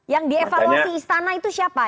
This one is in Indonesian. yang dievaluasi istana itu siapa